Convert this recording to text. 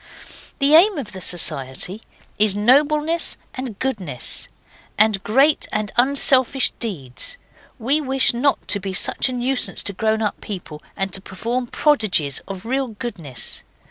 'The aim of the society is nobleness and goodness, and great and unselfish deeds. We wish not to be such a nuisance to grown up people and to perform prodigies of real goodness.